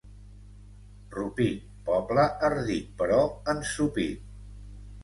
Rupit, poble ardit, però ensopit.